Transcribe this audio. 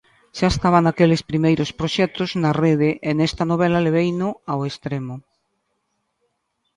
Xa estaba naqueles primeiros proxectos na rede e nesta novela leveino ao extremo.